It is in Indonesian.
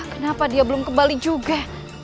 kenapa dia belum kembali juga